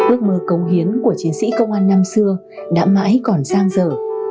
ước mơ cống hiến của chiến sĩ công an năm xưa đã mãi còn sang giờ